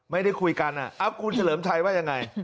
ไม่ได้คุยกันคุณเฉลิมชัยว่ายังไง